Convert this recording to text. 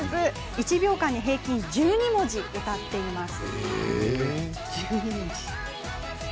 １秒間に平均１２文字歌っています。